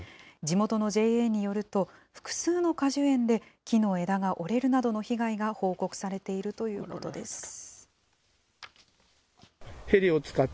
地元のＪＡによると、複数の果樹園で、木の枝が折れるなどの被害が報告されているということです。